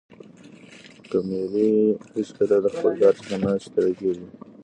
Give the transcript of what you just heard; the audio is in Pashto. قمري هیڅکله له خپل کار څخه نه ستړې کېږي.